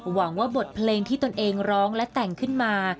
หวังว่าบทเพลงที่ตนเองร้องและแต่งขึ้นมา